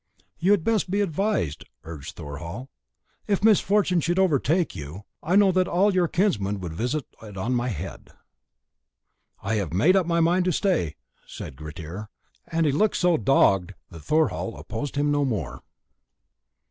"You had best be advised," urged Thorhall; "if misfortune should overtake you, I know that all your kinsmen would visit it on my head." "I have made up my mind to stay," said Grettir, and he looked so dogged that Thorhall opposed him no more.